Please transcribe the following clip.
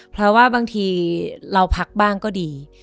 เพราะว่าบางทีเราพักบ้างก็ดี